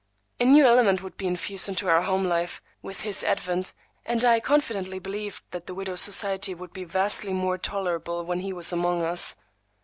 A new element would be infused into our home life with his advent, and I confidently believed that the widow's society would be vastly more tolerable when he was among us.